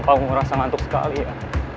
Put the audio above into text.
kenapa aku ngerasa ngantuk sekali ya